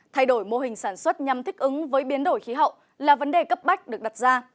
thay đổi mô hình sản xuất nhằm thích ứng với biến đổi khí hậu là vấn đề cấp bách được đặt ra